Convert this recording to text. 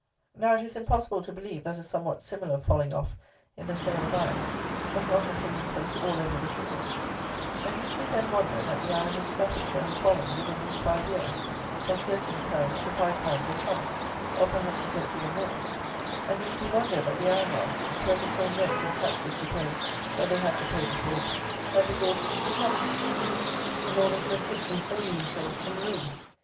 Now, it is impossible to believe that a somewhat similar falling off in the sale of iron must not have taken place all over the kingdom; and need we then wonder that the iron in Staffordshire has fallen, within these five years, from thirteen pounds to five pounds a ton, or perhaps a great deal more; and need we wonder that the iron masters, who have the same rent and taxes to pay that they had to pay before, have resorted to the tommy system, in order to assist in saving themselves from ruin!